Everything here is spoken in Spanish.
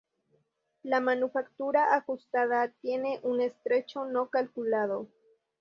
La manufactura ajustada tiene un estrecho no calculado.